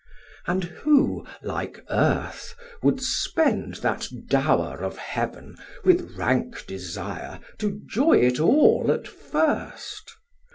And who, like earth, would spend that dower of heaven, With rank desire to joy it all at first?